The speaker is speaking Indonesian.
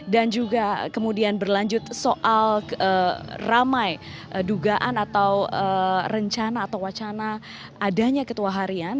dan juga kemudian berlanjut soal ramai dugaan atau rencana atau wacana adanya ketua harian